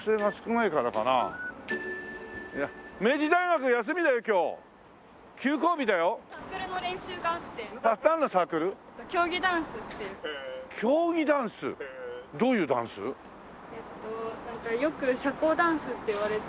えっとなんかよく社交ダンスっていわれて。